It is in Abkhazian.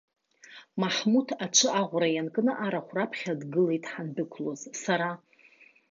Маҳмуҭ аҽы аӷәра ианкны арахә раԥхьа дгылеит ҳандәықәлоз, сара.